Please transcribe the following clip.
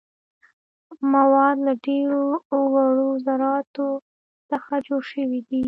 مواد له ډیرو وړو ذراتو څخه جوړ شوي دي.